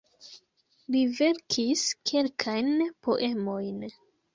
Li verkis kelkajn poemojn.